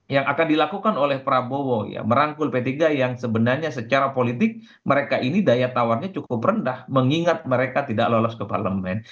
yang akan dilakukan oleh prabowo ya merangkul p tiga yang sebenarnya secara politik mereka ini daya tawarnya cukup rendah mengingat mereka tidak lolos ke parlemen